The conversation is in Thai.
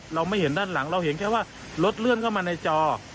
เราไม่เห็นด้านหลังเราเห็นแค่ว่ารถเลื่อนเข้ามาในจอ